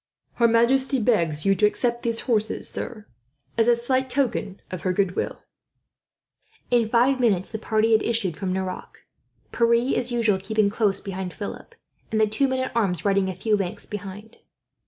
"Her majesty begs you to accept these horses, sir, as a slight token of her goodwill." In five minutes, the party had issued from Nerac; Pierre, as usual, keeping close behind Philip, and the two men at arms riding a few lengths behind.